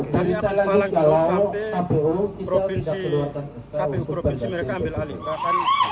kami akan menjalankan sampai kpu provinsi mereka ambil alih